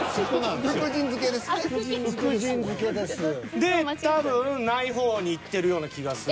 で多分ない方にいってるような気がする。